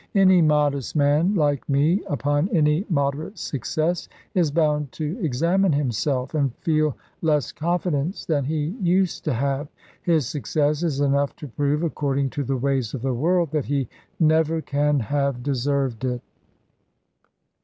Any modest man, like me, upon any moderate success, is bound to examine himself, and feel less confidence than he used to have. His success is enough to prove, according to the ways of the world, that he never can have deserved it.